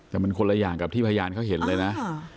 แต่มันคนละอย่างกับที่พยานเขาเห็นเลยนะ